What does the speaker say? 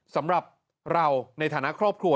สำหรับเราในฐานะครอบครัว